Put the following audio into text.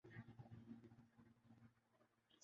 یہ کیسے تبدیل ہوں۔